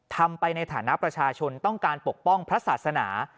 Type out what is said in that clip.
ทำไปในฐานะประชาชนต้องการปกป้องพระศาสนา